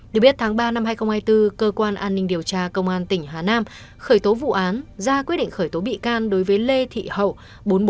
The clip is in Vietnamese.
được biết tháng ba năm hai nghìn hai mươi bốn cơ quan an ninh điều tra công an tỉnh hà nam khởi tố vụ án ra quyết định khởi tố bị can đối với lê thị hậu